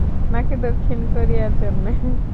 নাকি দক্ষিণ কোরিয়ার জন্যে?